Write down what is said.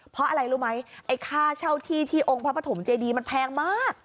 เพราะอะไรรู้ไหมไอ้ค่าเช่าที่ที่องค์พระปฐมเจดีมันแพงมาก